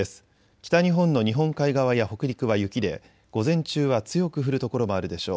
北日本の日本海側や北陸は雪で午前中は強く降る所もあるでしょう。